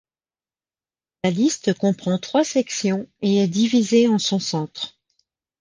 La liste comprend trois sections et est divisée en son centre.